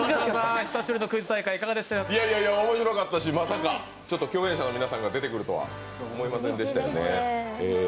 恥ずかしかった面白かったですし、まさか共演者の皆さんが出てくるとは思いませんでしたよ。